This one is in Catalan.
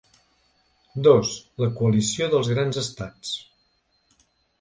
Dos- La coalició dels grans estats.